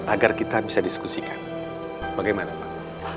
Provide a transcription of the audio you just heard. agar kita bisa diskusikan bagaimana pak